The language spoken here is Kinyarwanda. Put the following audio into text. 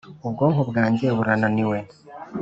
ubwonko bwanjye burananiwe!,